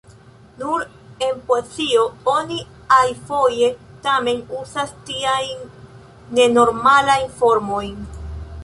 Nur en poezio oni iafoje tamen uzas tiajn nenormalajn formojn.